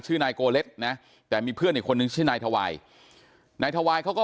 นายโกเลสนะแต่มีเพื่อนอีกคนนึงชื่อนายทวายนายทวายเขาก็